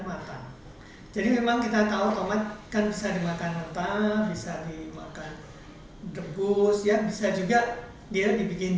matang jadi memang kita tahu tomat bisa dimakan mentah bisa dimakan rebus ya bisa juga dia dibikin